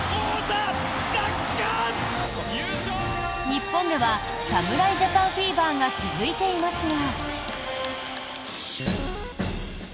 日本では侍ジャパンフィーバーが続いていますが。